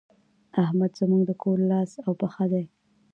احمد زموږ د کور لاس او پښه دی.